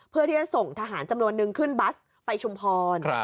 เพื่อที่จะส่งทหารจำนวนนึงขึ้นบัสไปชุมพร